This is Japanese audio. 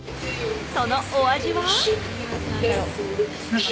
そのお味は？